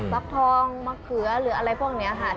ฟักทองมะเขือหรืออะไรพวกนี้ค่ะ